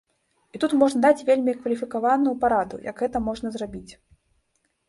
І тут можна даць вельмі кваліфікаваную параду, як гэта можна зрабіць.